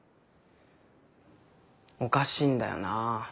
おかしいんだよな。